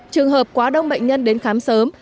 trường hợp quá đông bệnh nhân đến khám sớm